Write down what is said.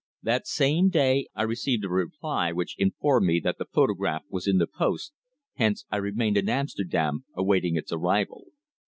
That same day I received a reply which informed me that the photograph was in the post, hence I remained in Amsterdam awaiting its arrival.